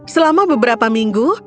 selama beberapa minggu